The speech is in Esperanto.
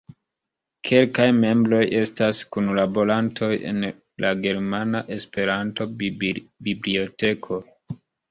Kelkaj membroj estas kunlaborantoj en la Germana Esperanto-Biblioteko.